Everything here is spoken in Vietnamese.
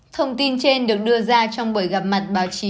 thông tin trên được đưa ra trong buổi gặp mặt báo chí